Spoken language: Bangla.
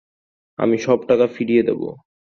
আমি সব টাকা ফিরিয়ে দেব।